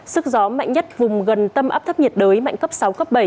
sức gió mạnh nhất vùng gần tâm áp thấp nhiệt đới mạnh cấp sáu cấp bảy